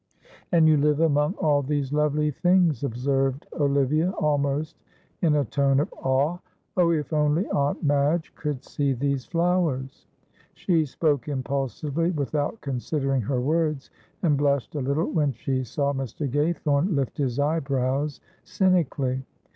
"And you live among all these lovely things!" observed Olivia, almost in a tone of awe. "Oh, if only Aunt Madge could see these flowers!" She spoke impulsively without considering her words, and blushed a little when she saw Mr. Gaythorne lift his eyebrows cynically.